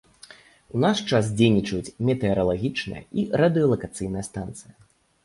У наш час дзейнічаюць метэаралагічная і радыёлакацыйная станцыя.